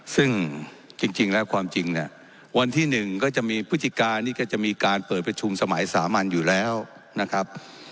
ซึ่งจริงแล้วความจริงเนี่ยวันที่๑ก็จะมีพฤศจิกานี่ก็จะมีการเปิดประชุมสมัยสามัญอยู่แล้วนะครับ